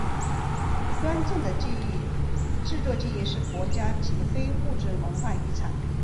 端砚的制作技艺是国家级非物质文化遗产。